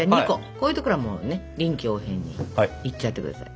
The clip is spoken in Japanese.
こういうところはもうね臨機応変にいっちゃってください。